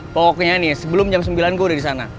pokoknya nih sebelum jam sembilan gue udah di sana